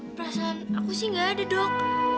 perasaan aku sih gak ada dok